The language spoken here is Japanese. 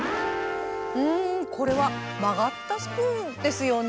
うんこれは曲がったスプーンですよね？